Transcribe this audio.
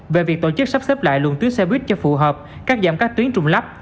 về việc tổ chức sắp xếp lại luồng tuyến xe buýt cho phù hợp cắt giảm các tuyến trùng lắp